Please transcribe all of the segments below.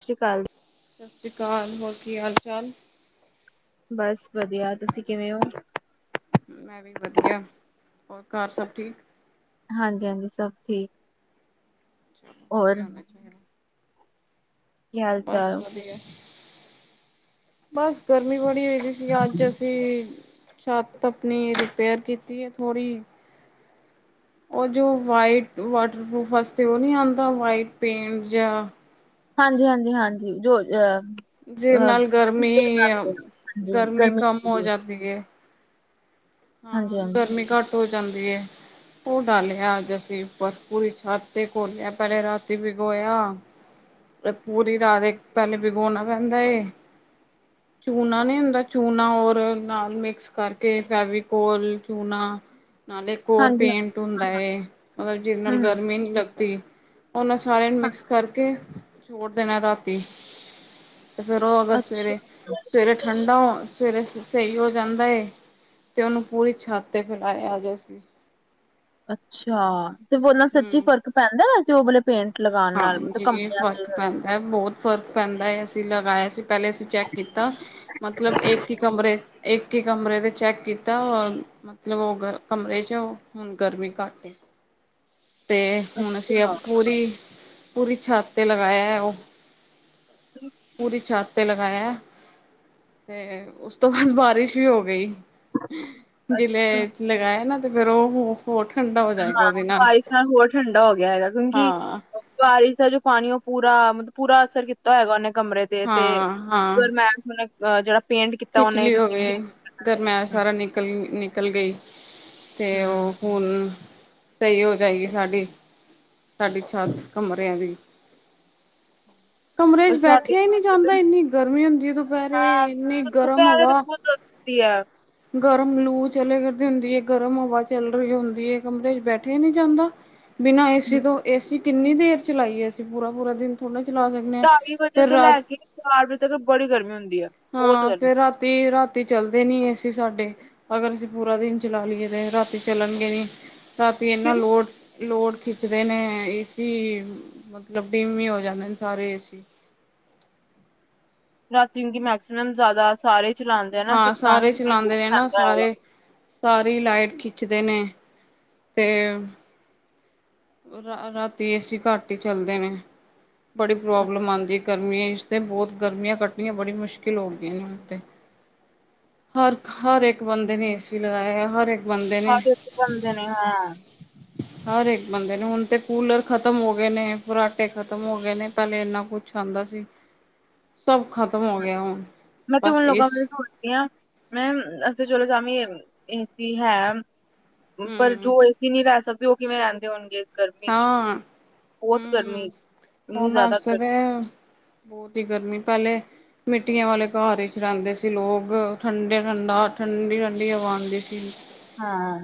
ਸਤਿ ਸ਼੍ਰੀ ਅਕਾਲ ਸਤਿ ਸ਼੍ਰੀ ਅਕਾਲ ਹੋਰ ਕੀ ਹਾਲ ਚਾਲ ਬਸ ਵਧੀਆ ਤੁਸੀਂ ਕਿਵੇਂ ਹੋ ਮੈਂ ਵੀ ਵਧੀਆ ਹੋਰ ਘਰ ਸਭ ਠੀਕ ਹਾਂਜੀ ਹਾਂਜੀ ਸਭ ਠੀਕ ਚਲੋ ਹੋਰ ਵਧੀਆ ਹੋਣਾ ਚਾਹੀਦਾ ਕੀ ਹਾਲ ਬਸ ਚਾਲ? ਵਧੀਆ ਬਸ ਗਰਮੀ ਬੜੀ ਹੋਈ ਸੀ ਅੱਜ ਅਸੀਂ ਛੱਤ ਆਪਣੀ ਰਿਪੇਅਰ ਕੀਤੀ ਹੈ ਥੋੜ੍ਹੀ ਉਹ ਜੋ ਵਾਈਟ ਵਾਟਰਪੂਫ ਵਾਸਤੇ ਉਹ ਨੀ ਆਉਂਦਾ ਵਾਈਟ ਪੇਂਟ ਜਾਂ ਹਾਂਜੀ ਹਾਂਜੀ ਹਾਂਜੀ ਜੋ ਅ ਜਿ ਅ ਨਾਲ ਗਰਮੀ ਫਰਨੀਚਰ ਕਰਦੇ ਆ। ਹਾਂਜੀ ਗਰਮੀ ਕੰਮ ਹੋ ਹੁੰਦੀ ਜਾਂਦੀ ਹੈ ਹਾਂ ਹਾਂਜੀ ਹਾਂਜੀ ਗਰਮੀ ਘੱਟ ਹੋ ਜਾ ਜਾਂਦੀ ਐ ਉਹ ਡਾਲਿਆ ਅੱਜ ਅਸੀਂ ਉੱਪਰ ਪੂਰੀ ਛੱਤ ਤੇ ਖੋਲਿਆ ਪਹਿਲੇ ਰਾਤੀ ਭਿਗੋਇਆ ਤੇ ਪੂਰੀ ਰਾਤ ਪਹਿਲੇ ਭਿਗੋਣਾ ਪੈਂਦਾ ਐ ਚੂਨਾ ਨੀ ਹੁੰਦਾ ਚੂਨਾ ਔਰ ਨਾਲ ਮਿਕਸ ਕਰਕੇ ਫੈਵਿਕ ਕੋਲ ਚੂਨਾ ਨਾਲ ਇੱਕ ਹੋਰ ਹਾਂਜੀ ਪੇਂਟ ਹੁੰਦਾ ਹੈ ਮਤਲਬ ਜਿਹਦੇ ਨਾਲ ਹਮ ਹਮ। ਗਰਮੀ ਨਹੀਂ ਲੱਗ ਤੇ ਉਹਨਾਂ ਸਾਰਿਆਂ ਨੂੰ ਮਿਕਸ ਕਰਕੇ ਛੋੜ ਦੇਣਾ ਰਾਤੀ ਤੇ ਫੇਰ ਉਹ ਅਗਰ ਅੱਛਾ ਸਵੇਰੇ ਸਵੇਰੇ ਠੰਡਾ ਹੋ ਸਵੇਰੇ ਸਹੀ ਹੋ ਜਾਂਦਾ ਏ ਤੇ ਉਹਨੂੰ ਪੂਰੀ ਛੱਤ ਤੇ ਫੈਲਾਇਆ ਗਿਆ ਸੀ ਅੱਛਾ! ਤੇ ਬੋਲਨਾ ਸੱਚੀ ਹੂੰ। ਫ਼ਰਕ ਪੈਂਦਾ ਏ ਉਹ ਪੇਂਟ ਲਗਾਉਣ ਨਾਲ ਮਤਲਬ ਹਾਂਜੀ ਕੰਪਨੀਆਂ ਫ਼ਰਕ ਦੇ ਪੈਂਦਾ ਹੈ ਬਹੁਤ ਫ਼ਰਕ ਪੈਂਦਾ ਹੈ ਅਸੀਂ ਲਗਾਇਆ ਸੀ ਪਹਿਲੇ ਅਸੀਂ ਚੈੱਕ ਕੀਤਾ ਮਤਲਬ ਇੱਕ ਹੀ ਕਮਰੇ ਇੱਕ ਹੀ ਕਮਰੇ ' ਚੈੱਕ ਕੀਤਾ ਮਤਲਬ ਉਹ ਕਮਰੇ ' ਹੁਣ ਗਰਮੀ ਘੱਟ ਹੇ ਤੇ ਹੁਣ ਅਸੀਂ ਅੱਛਾ ਪੂਰੀ ਪੂਰੀ ਛੱਤ ' ਤੇ ਲਗਾਇਆ ਉਹ ਪੂਰੀ ਛੱਤ ਉਤੇ ਲਗਾਇਆ ਤੇ ਉਸ ਤੋਂ ਬਾਅਦ ਬਾਰਿਸ਼ ਵੀ ਹੋ ਗਈ ਜਿਲੇ ਅੱਛਾ ਲਗਾਇਆ ਨਾ ਅਤੇ ਫਿਰ ਉਹ ਹੋਰ ਠੰਡਾ ਹੋ ਜਾਏਗਾ ਹਾਂ ਉਹਦੇ ਬਾਰਿਸ਼ ਨਾਲ ਹੋਰ ਠੰਡਾ ਹੋ ਗਿਆ ਹੈਗਾ ਕਿਉਂਕਿ ਹਾਂ ਬਾਰਿਸ਼ ਦਾ ਜੋ ਪਾਣੀ ਉਹ ਪੂਰਾ ਮਤਲਬ ਪੂਰਾ ਅਸਰ ਕੀਤਾ ਹੈਗਾ ਉਹਨੇ ਕਮਰੇ ਤੇ ਤੇ ਹਾਂ ਹਾਂ ਗਰਮੇਸ ਮੈਂ ਹੁਣ ਆਹ ਜਿਹੜਾ ਪੇਂਟ ਕੀਤਾ ਉਹਨੇ ਖਿਚਲੀ ਦਿੱਤੀ ਹੋਵੇ ਵੀ ਹੈਗੀ ਗਰਮੈਸ਼ ਗਰਮੇਸ ਸਾਰਾ ਹੂੰ ਨਿਕਲ ਨਿਕਲ ਗਈ ਅਤੇ ਉਹ ਹੂੰ ਹੁਣ ਸਹੀ ਹੋ ਜਾਏਗੀ ਸਾਡੀ ਛੱਤ ਕਮਰਿਆਂ ਦੀ ਕਮਰੇ ਪਰ ਚ, ਸਾਡੇ ਬੈਠਿਆ ਹੀ ਨਹੀਂ ਜਾਂਦਾ ਇੰਨੀ ਗਰਮੀ ਹੁੰਦੀ ਦੁਪਹਿਰੇ ਹਾਂ ਇਨ [unintelligible] ਗਰਮ ਲੂ ਚਲੇ ਕਰਦੀ ਹੁੰਦੀ ਹੈ ਗਰਮ ਹਵਾ ਚੱਲ ਰਹੀ ਹੁੰਦੀ ਹੈ ਕਮਰੇ ਚ ਬੈਠਿਆ ਨਹੀਂ ਜਾਂਦਾ ਬਿਨਾਂ ਹੂੰ ਏਸੀ ਤੋਂ ਏਸੀ ਕਿੰਨੀ ਦੇਰ ਚਲਾਈਏ ਅਸੀਂ ਪੂਰਾ ਪੂਰਾ ਦਿਨ ਥੋੜ੍ਹਾ ਚਲਾ ਸਕਦੇ ਹਾਂ ਢਾਈ ਵਜੇ ਫਿਰ ਤੋਂ ਲੈ ਰਾਤ ਕੇ ਚਾਰ ਵਜੇ ਤੱਕ ਬੜੀ ਗਰਮੀ ਹੁੰਦੀ ਹੈ ਬਹੁਤ ਹਾਂ ਗਰਮੀ ਫੇਰ ਰਾਤੀ ਰਾਤੀ ਚੱਲਦੇ ਨੀ ਏਸੀ ਸਾਡੇ ਅਗਰ ਅਸੀਂ ਪੂਰਾ ਦਿਨ ਚਲਾ ਲਈਏ ਤੇ ਰਾਤੀ ਚੱਲਣਗੇ ਨੀ ਤਾਂ ਵੀ ਇਨਾ ਕਿਉਂ ਲੋੜ ਹੁੰਦਾ ਲੋਡ ਖਿੱਚਦੇ ਨੇ ਏ ਸੀ ਮਤਲਬ ਡਿਮ ਹੀ ਹੋ ਜਾਂਦੇ ਨੇ ਸਾਰੇ ਏਸੀ ਰਾਤੀ ਕਿ ਮੈਕਸੀਮਮ ਜ਼ਿਆਦਾ ਸਾਰੇ ਚਲਾਉਂਦੇ ਆ ਨਾ ਹਾਂ ਫਿਰ ਤਾਂ ਸਾਰੇ ਕਰਕੇ ਚਲਾਉਂਦੇ ਲੋਡ ਨੇ ਨਾ ਪੈਂਦਾ ਹੈਗਾ ਸਾਰੇ ਸਾਰੀ ਲਾਈਟ ਖਿੱਚਦੇ ਨੇ ਤੇ ਰਾ ਰਾਤੀ ਏਸੀ ਘੱਟ ਹੀ ਚੱਲਦੇ ਨੇ ਬੜੀ ਪ੍ਰੋਬਲਮ ਆਉਂਦੀ ਗਰਮੀਆਂ ਚ ਤੇ ਬਹੁਤ ਗਰਮੀਆਂ ਕੱਟਣੀਆਂ ਬੜੀ ਮੁਸ਼ਕਿਲ ਹੋ ਗਈ ਹੁਣ ਤੇ ਹਰ ਹਰ ਇੱਕ ਬੰਦੇ ਨੇ ਏਸੀ ਲਗਾਇਆ ਹੈ ਹਰ ਇੱਕ ਬੰਦੇ ਨੇ ਹਰ ਇੱਕ ਬੰਦੇ ਨੇ ਹਾਂ ਨੇ ਹੁਣ ਤੇ ਕੂਲਰ ਖਤਮ ਹੋ ਗਏ ਨੇ ਫਰਾਟੇ ਖਤਮ ਹੋ ਗਏ ਨੇ ਪਹਿਲੇ ਇੰਨਾ ਕੁਛ ਆਉਂਦਾ ਸੀ ਸਭ ਖ਼ਤਮ ਹੋ ਗਿਆ ਹੁਣ, ਮੈਂ ਤੇ ਬਸ ਹੁਣ ਲੋਕਾਂ ਏਸੀ ਨੂੰ ਸੋਚਦੀ ਹਾਂ ਮੈਂ ਅਸੀਂ ਚਲੋ ਸ਼ਾਮੀ ਏਸੀ ਹੈ ਪਰ ਹੂੰ, ਜੋ ਏਸੀ ਨਹੀਂ ਲੈ ਸਕਦੇ ਉਹ ਕਿਵੇਂ ਰਹਿੰਦੇ ਹੋਣਗੇ ਗਰਮੀ ਚ ਹਾਂ ਬਹੁਤ ਗਰਮੀ ਹਮ ਚ ਇੰਨੀ ਹੁਣ ਜ਼ਿਆਦਾ ਵੇਸੇ ਤੇ ਗਰਮੀ ਬਹੁਤ ਹੀ ਗਰਮੀ ਪਹਿਲੇ ਮਿੱਟੀਆਂ ਵਾਲੇ ਘਰ ਵਿੱਚ ਰਹਿੰਦੇ ਸੀ ਲੋਕ ਠੰਡੇ ਠੰਡਾ ਠੰਡੀ ਠੰਡੀ ਹਵਾ ਆਉਂਦੀ ਸੀ ਹਾਂ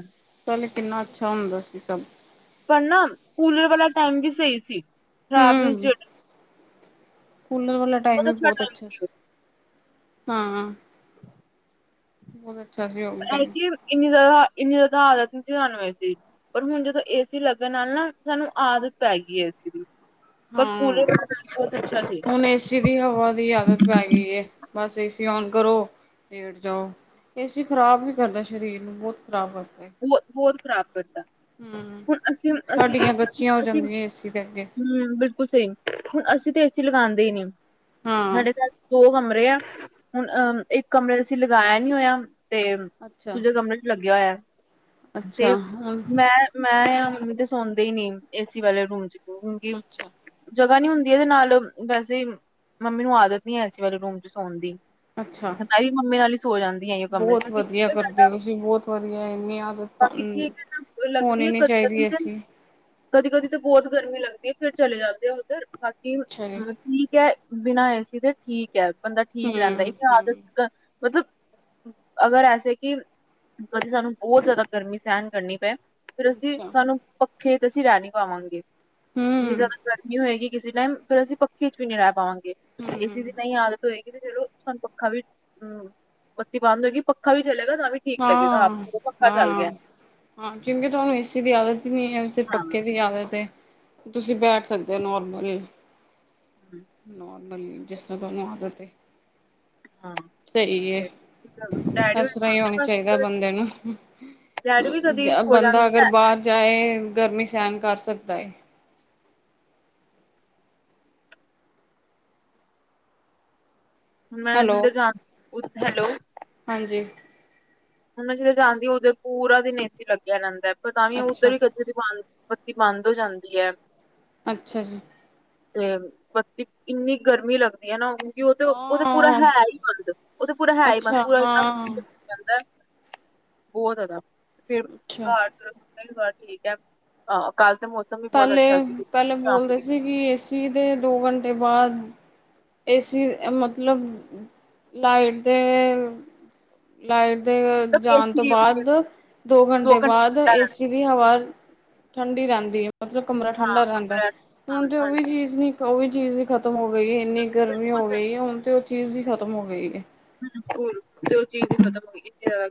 ਕਿੰਨਾ ਅੱਛਾ ਹੁੰਦਾ ਸੀ ਸਭ ਪਰ ਨਾ ਕੂਲਰ ਵਾਲਾ ਟਾਈਮ ਵੀ ਸਹੀ ਸੀ ਖਰਾਬ ਨੀ ਹੂੰ, ਕੂਲਰ ਵਾਲਾ ਟਾਈਮ ਵੀ ਬਹੁਤ ਅੱਛਾ ਸੀ ਹਾਂ ਬ ਹੈ ਕਿ ਇੰਨੀ ਜ਼ਿਆਦਾ ਇੰਨੀ ਜ਼ਿਆਦਾ ਆ ਤਾਨਵੇਂ ਪਰ ਹੁਣ ਜਦੋਂ ਏਸੀ ਲੱਗਣ ਨਾਲ ਨਾ ਸਾਨੂੰ ਆਦਤ ਪੈ ਗਈ ਏਸੀ ਦੀ ਪਰ ਹਾਂ ਕੂਲਰ ਬਹੁਤ ਅੱਛਾ ਸੀ ਹੁਣ ਏਸੀ ਦੀ ਹਵਾ ਦੀ ਆਦਤ ਪੈ ਗਈ ਏ ਬਸ ਏਸੀ ਔਨ ਕਰੋ ਲੇਟ ਜਾਓ ਏਸੀ ਖ਼ਰਾਬ ਵੀ ਕਰਦੈ ਸਰੀਰ ਨੂੰ ਬਹੁਤ ਖ਼ਰਾਬ ਕਰਦਾ ਬਹੁ ਬਹੁਤ ਖ਼ਰਾਬ ਕਰਤਾ ਹੂੰ ਹੁਣ ਅਸੀਂ ਅਸੀਂ ਹੱਡੀਆਂ ਕੱਚੀਆਂ ਹੋ ਅਸੀਂ ਜਾਂਦੀਆਂ ਏਸੀ ਦੇ ਅੱਗੇ ਹਮ ਬਿਲਕੁਲ ਸਹੀ ਹੁਣ ਅਸੀਂ ਤੇ ਲਗਾਉਂਦੇ ਹੀ ਨੀ ਹਾਂ ਸਾਡੇ ਘਰ ਦੋ ਕਮਰੇ ਹੁਣ ਅਹ ਇੱਕ ਕਮਰੇ, ਏਸੀ ਲਗਾਇਆ ਨੀ ਹੋਇਆ? ਤੇ ਅੱਛਾ ਦੂਜੇ ਕਮਰੇ ਚ, ਲੱਗਿਆ ਹੋਇਆ। ਤੇ, ਅੱਛਾ ਹੁਣ ਮੈਂ -ਮੈਂ ਆ ਹੁਣ ਤੇ ਸੌਦੇ ਇ ਨੀ, ਏਸੀ ਵਾਲੇ ਰੂਮ ਚ ਅੱਛਾ ਜਗ੍ਹਾ ਨਹੀਂ ਹੁੰਦੀ? ਇਹਦੇ ਨਾਲ ਵੈਸੇ ਮੰਮੀ ਨੂੰ ਆਦਤ ਨੀ ਹੈ, ਏਸੀ ਵਾਲੇ ਰੂਮ ਚ ਸੋਣ ਦੀ। ਅੱਛਾ ਮੈਂ ਵੀ ਮੰਮੀ ਨਾਲ ਹੀ ਸੋ ਜਾਂਦੀ ਆ, ਇਸ ਕਮਰੇ ਚ ਬਹੁਤ ਵਧੀਆ ਕਰਦੇ ਸਾਡਾ ਹੋ ਤੁਸੀਂ ਬਹੁਤ ਵਧੀਆ ਇੰਨੀ ਆਦਤ ਬਾਕੀ ਠੀਕ ਹੈ ਲੱਗਦੀ ਹੋਣੀ ਹੈ ਨੀ ਕ ਚਾਹੀਦੀ ਕਦੀ ਏਸੀ ਕਦੀ ਕਦੀ ਤਾਂ ਬਹੁਤ ਗਰਮੀ ਲੱਗਦੀ [inaudible] ਵੀ ਫੇਰ ਚਲੇ ਜਾਂਦੇ ਆ, ਉੱਧਰ। ਬਾਕੀ, ਅੱਛਾ ਜੀ ਹ ਠੀਕ ਹੈ। ਬਿਨਾਂ ਏਸੀ ਦੇ ਠੀਕ ਹੈ। ਬੰਦਾ ਠੀਕ ਰਹਿੰਦਾ ਹੂੰ ਇ, ਹੂੰ ਆਦਤ ਮਤਲਬ, ਅਗਰ ਐਸੇ ਕਿ, ਕਦੇ ਸਾਨੂੰ ਬਹੁਤ ਜ਼ਿਆਦਾ ਗਰਮੀ ਸਹਿਨ ਕਰਨੀ ਪਏ ਫਿਰ, ਅਸੀਂ ਅੱਛਾ ਸਾਨੂੰ ੇ ਅਸੀਂ ਰਾਣੀ ਪਾਵਾਂਗੇ [inaudible] ਇੰਨੀ ਹੂੰ ਜ਼ਿਆਦਾ ਗਰਮੀ ਹੋਏਗੀ? ਕਿਸੇ ਟਾਈਮ ਫਿਰ ਅਸੀਂ, ਪੱਖੀ ਚ ਵੀ ਨਹੀਂ ਰਹਿ ਪਾਵਾਂਗੇ। ਇਸਏ ਦੀ ਹੂੰ ਨਹੀਂ ਆਦਤ ਹੋਏਗੀ [inaudible] ਜਦੋ ਸਾਨੂੰ ਪੱਖਾ ਵੀ, ਹਮ ਬੱਤੀ ਬੰਦ ਹੋਏਗੀ ਪੱਖਾ ਵੀ ਚਲੇਗਾ, ਤਾਂ ਵੀ ਠੀਕ ਲਗੇਗਾ ਆਪ ਹਾਂ ਹਾਂ -ਹਾਂ ਕਿਂਉਂਕੀ ਤੁਹਾਨੂੰ ਏਸੀ ਦੀ ਆਦਤ ਹਾਂ ਪੱਕੇ ਵੀ ਆਦ ਤੇ [inaudible] ਤੁਸੀਂ ਬੈਠ ਸਕਦੇ ਹੋ, ਨਰਮਲ ਨ [inaudible] ਮਤਲਬ, ਜਿਸ੍ਹਾਂ ਤੁਹਾਨੂੰ ਆਦਤ ਹਾਂ ਸਹੀ ਏ, ਤੇ ਡੈਡੀ ਹੋਰੀ ਇਸਸਰ ਹੀ ਹੋਣੀ ਸੌਂਦੇ ਬਸ ਬੰਦੇ ਨੂੰ, ਡੈਡੀ ਵੀ ਕਦੀ ਸੋ ਬੰਦਾ ਜਾਂਦੇ ਅਗਰ ਹੈ ਬਾਹਰ ਜਾਏ। ਗਰਮੀ ਸਹਿਣ ਕਰ ਸਕਦਾ ਏ। ਮੈਂ ਹੈਲੋ ਜਧਰ ਜਾ ਹੈਲੋ [inaudible] ਹਾਂਜੀ ਹੁਣ ਜਦੋਂ ਜਾਂਦੀ, ਉਥੇ ਪੂਰਾ ਦਿਨ ਏਸੀ ਲੱਗਿਆ ਰਿੰਦੈ। ਪਤਾ ਤਾਂ ਵੀ ਉਹ ਉੱਧਰ ਅੱਛਾ ਹੀ ਗੱਜੂ ਦੀ ਪਾ [inaudible] ਤੇ ਬੰਦ ਹੋ ਜਾਂਦੀ ਹੈ ਅੱਛਾ ਜੀ ਤੇ ਬੱਤੀ ਇੰਨੀ ਗਰਮੀ ਲੱਗਦੀ ਹੈ ਨਾ ਕਿ ਉਹ ਤੇ ਉਹਦੇ ਪੂਰਾ ਹਾਂ ਹੈ ਹੀ ਬੰਦ ਉਹਦਾ ਪੂਰਾ ਹੈ ਹੀ ਬਦ ਅੱਛਾ ਪੂਰਾ ਹਾਂ ਜਾਂਦਾ ਬਹੁਤ ਜ਼ਾਦਾ ਫਿਰ ਅੱਛਾ ਘਰ ਮੰਗਲਵਾਰ ਠੀਕ ਹੈ ਅਹ ਕੱਲ ਤਾਂ ਮੌਸਮ ਵੀ ਬਹੁਤ ਪਹਿਲੇ ਅੱਛਾ ਸੀ ਪਹਿਲੇ ਬੋਲਦੇ ਸ਼ਾਮੀ ਸੀ ਕਿ ਏਸੀ ਦੋ ਘੰਟੇ ਬਾਅਦ ਏਸੀ ਮਤਲਬ ਲਾਈਟ ਦੇ ਲਾਈਟ ਦੇ ਮਤਲਬ ਜਾਣ ਤੋਂ ਏਸੀ ਬਾਅਦ ਦੋ ਘੰਟੇ ਬਾਅਦ ਏਸੀ ਦੀ ਹਵਾ ਠੰਢਡੀ ਰਹਿੰਦੀ ਹੈ ਮਤਲਬ ਕਮਰਾ ਹਾਂ ਠੰਢਾ ਰਹਿੰਦਾ ਹੈ ਕਮਰਾ ਹਾਂ ਹੁਣ ਤੇ ਉਹੀ ਹਾਂਜੀ ਚੀਜ਼ ਨੀ ਉਹਹੀ ਚੀਜ਼ ਹੀ ਖਤਮ ਹੋ ਗਈ ਇੰਨੀ ਗਰਮੀ ਬਿਲਕੁਲ ਹੋ ਸਹੀ ਗਈ ਹੈ ਹੁਣ ਤੇ ਉਹ ਚੀਜ਼ ਹੀ ਖਤਮ ਹੋ ਗਈ ਹੈ ਕੂਲ ਉਸ ਚੀਜ਼ ਦੀ ਮਦਦ ਹੋਈ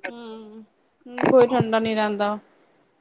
ਹਮ ਕੋਈ ਠੰਡਾ ਨੀ ਰਹਿੰਦਾ